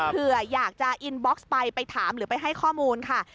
เผื่ออยากจะอินบ็อกซ์ไปไปถามหรือไปให้ข้อมูลค่ะ